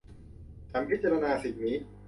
ฉันพิจารณาสิ่งนี้